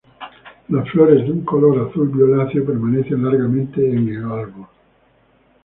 Las flores, de un color azul violáceo, permanecen largamente en el árbol.